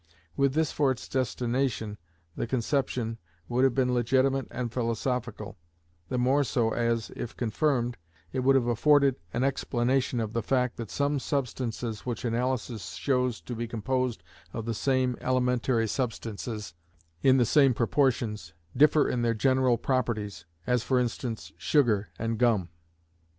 With this for its destination, the conception, would have been legitimate and philosophical; the more so, as, if confirmed, it would have afforded an explanation of the fact that some substances which analysis shows to be composed of the same elementary substances in the same proportions, differ in their general properties, as for instance, sugar and gum.